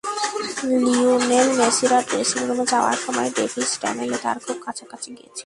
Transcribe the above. Lionel মেসিরা ড্রেসিংরুমে যাওয়ার সময় ডেভিস টানেলে তাঁদের খুব কাছাকাছি গিয়েছিলেন।